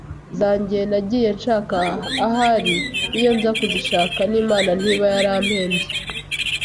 zanjye nagiye nshaka ahari iyo nza kuzishaka n’Imana ntiba yarampembye